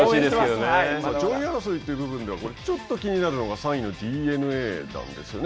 上位争いという部分では、ちょっと気になるのが、３位のＤｅＮＡなんですよね。